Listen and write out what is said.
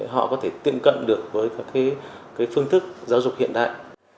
họ có thể tiệm cận được với các phương thức giáo dục hiện đại